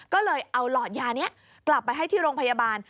ก็เลยเอาหลอดยานี้กลับไปให้ที่โรงพยาบาล